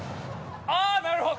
あぁなるほど。